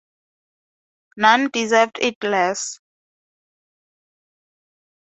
None deserved it less.